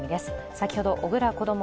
先ほど小倉こども